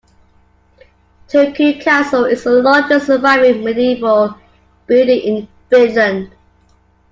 Turku Castle is the largest surviving medieval building in Finland.